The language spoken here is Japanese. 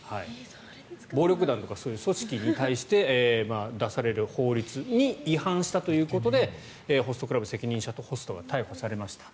暴力団とかそういう組織に対して出される法律に違反したということでホストクラブ責任者とホストが逮捕されました。